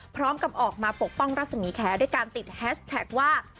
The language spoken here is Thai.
พร้อมกับออกมาปกป้องรัศมีแขด้วยการติดแฮชแท็กว่า